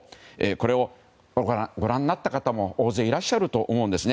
これ、ご覧になった方も大勢いらっしゃると思います。